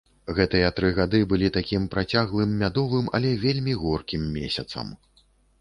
Гэтыя тры гады былі такім працяглым мядовым, але вельмі горкім месяцам.